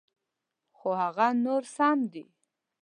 خو هغه نور سم دي.